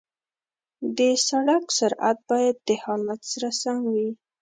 د سړک سرعت باید د حالت سره سم وي.